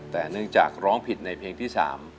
แต่เนื่องจากร้องผิดในเพลงที่๓